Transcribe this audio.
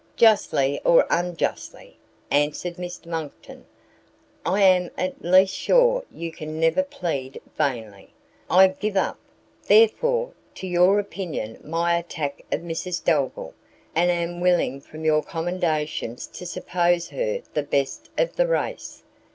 "Justly or unjustly," answered Mr Monckton, "I am at least sure you can never plead vainly. I give up, therefore, to your opinion my attack of Mrs Delvile, and am willing from your commendations to suppose her the best of the race.